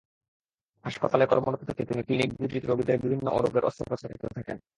হাসপাতালে কর্মরত থেকে তিনি ক্লিনিক দুটিতে রোগীদের বিভিন্ন রোগের অস্ত্রোপচার করতে থাকেন।